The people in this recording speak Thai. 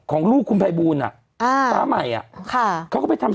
ของลูกคุณภัยบูลอ่ะอ่าฟ้าใหม่อ่ะค่ะเขาก็ไปทำ